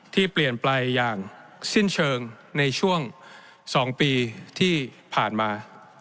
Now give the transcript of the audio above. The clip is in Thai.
ที่เปลี่ยนไปอย่างสิ้นเชิงในช่วง๒ปีที่ผ่านมา